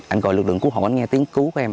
anh gọi lực lượng cứu hộ anh nghe tiếng cứu các em